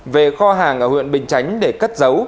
về kho hàng ở huyện bình chánh để cất giấu